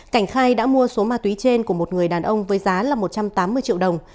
cảnh khai đã mua số ma túy trên của một người đàn ông với giá là một trăm tám mươi triệu đồng